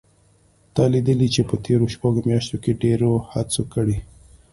تا لیدلي چې په تېرو شپږو میاشتو کې ډېرو هڅه کړې